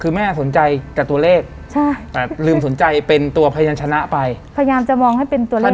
คือแม่สนใจกับตัวเลขใช่แต่ลืมสนใจเป็นตัวพยานชนะไปพยายามจะมองให้เป็นตัวเลข